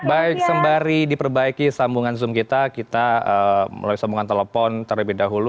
baik sembari diperbaiki sambungan zoom kita kita melalui sambungan telepon terlebih dahulu